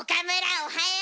おはよう。